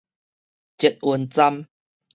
捷運站